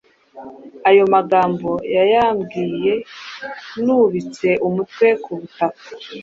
Ayo magambo yayambwiye nubitse umutwe ku butaka,